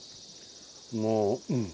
もううん。